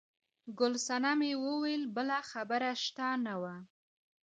ګل صنمه وویل بله خبره شته نه وه.